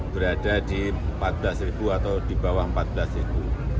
berada di rp empat belas atau di bawah rp empat belas